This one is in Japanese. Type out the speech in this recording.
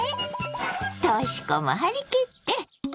とし子も張り切って。